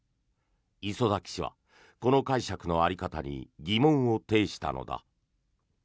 礒崎氏はこの解釈の在り方に疑問を呈したのだ。